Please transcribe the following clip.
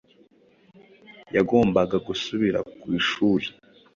yagombaga gusubira ku ishuli